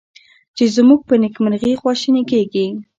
چې زمونږ په نیکمرغي خواشیني کیږي